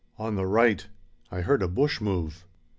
On the right. I heard a bush move."